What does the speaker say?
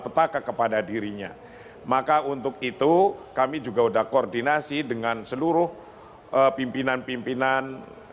petaka kepada dirinya maka untuk itu kami juga sudah koordinasi dengan seluruh pimpinan pimpinan